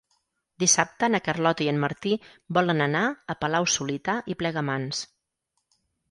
Dissabte na Carlota i en Martí volen anar a Palau-solità i Plegamans.